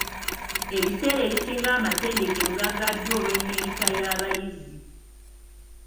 Ebiseera ebisinga, amatendekero gaggaddwa olw'enneeyisa y'abayizi embi.